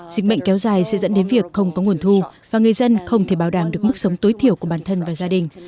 dịch bệnh kéo dài sẽ dẫn đến việc không có nguồn thu và người dân không thể bảo đảm được mức sống tối thiểu của bản thân và gia đình